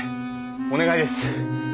お願いです。